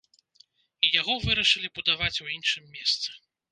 І яго вырашылі будаваць у іншым месцы.